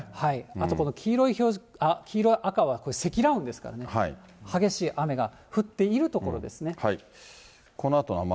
あとこの黄色い表示、黄色や赤は積乱雲ですからね、激しい雨が降っている所ですね。